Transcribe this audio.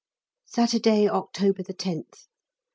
_Saturday, October 10th.